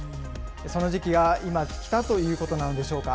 その時期が今来たということなのでしょうか。